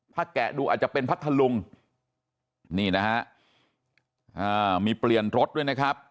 ถ้าแกะดูอาจจะเป็นพัทธลุงนี่นะฮะมีเปลี่ยนรถด้วยนะครับ